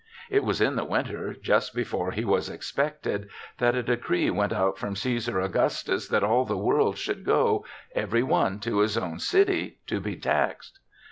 It was in the winter, just be fore he was expected, that a decree went out from Caesar Augustus that THE SEVENTH CHRISTMAS 27 all the world should go, every one to his own city, to be taxed.